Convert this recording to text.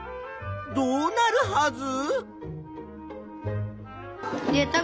どうなるはず？